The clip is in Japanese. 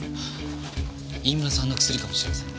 飯村さんの薬かもしれませんね。